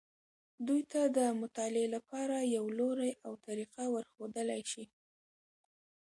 دوی ته د مطالعې لپاره یو لوری او طریقه ورښودلی شي.